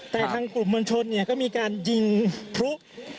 แต่ทางกลุ่มมลชนเนี่ยก็มีการยิงพลุก